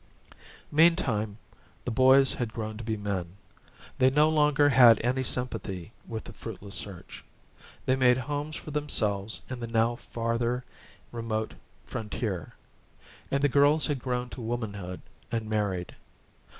Meantime, the boys had grown to be men. They no longer had any sympathy with the fruitless search. They made homes for themselves in the now farther remote frontier. And the girls had grown to womanhood and married.